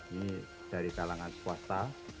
ini dari talangan swasta